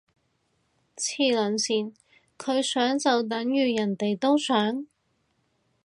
黐撚線，佢想就等如人哋都想？